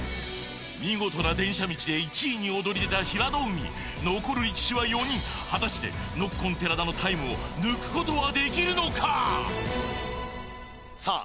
見事な電車道で１位に躍り出た平戸海残る力士は４人果たしてノッコン寺田のタイムを抜くことはできるのかさあ